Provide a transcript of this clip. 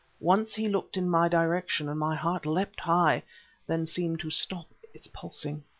Once he looked in my direction, and my heart leapt high, then seemed to stop its pulsing.